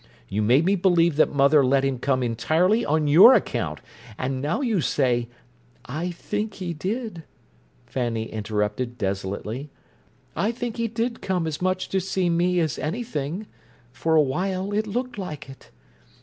You made me believe that mother let him come entirely on your account, and now you say—" "I think he did," Fanny interrupted desolately. "I think he did come as much to see me as anything—for a while it looked like it.